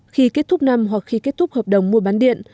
khi kết thúc năm hoặc khi kết thúc hợp đồng mua bán điện